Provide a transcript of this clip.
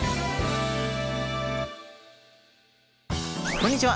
こんにちは。